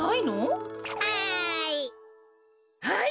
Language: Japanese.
はい！